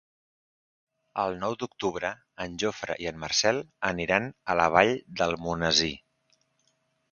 El nou d'octubre en Jofre i en Marcel aniran a la Vall d'Almonesir.